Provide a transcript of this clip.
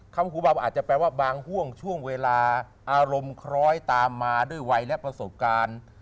หูเบาอาจจะแปลว่าบางห่วงช่วงเวลาอารมณ์คล้อยตามมาด้วยวัยและประสบการณ์